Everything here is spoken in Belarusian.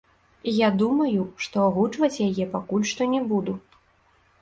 Я думаю, што агучваць яе пакуль што не буду.